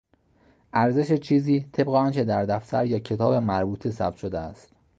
ارزش چیزی طبق آنچه در دفتر یا کتاب مربوطه ثبت شده است.